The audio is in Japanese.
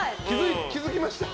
気づきました？